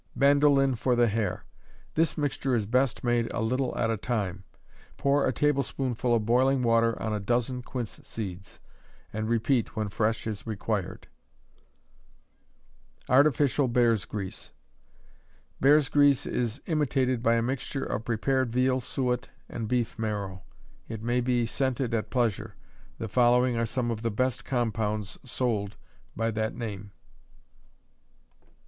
Bandoline for the Hair. This mixture is best made a little at a time. Pour a tablespoonful of boiling water on a dozen quince seeds, and repeat when fresh is required. Artificial Bear's Grease. Bear's grease is imitated by a mixture of prepared veal suet and beef marrow. It may be scented at pleasure. The following are some of the best compounds sold by that name: 1.